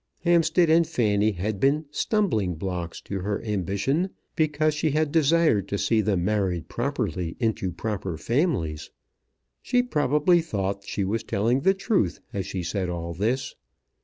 Hampstead and Fanny had been stumbling blocks to her ambition because she had desired to see them married properly into proper families. She probably thought that she was telling the truth as she said all this.